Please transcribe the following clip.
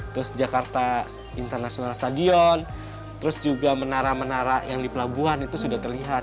terus jakarta international stadion terus juga menara menara yang di pelabuhan itu sudah terlihat